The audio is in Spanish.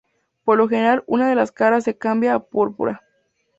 Por lo general, una de las caras se cambia a púrpura.